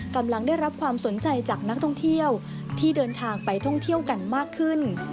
กำลังได้รับความสนใจจากนักท่องเที่ยวที่เดินทางไปท่องเที่ยวกันมากขึ้น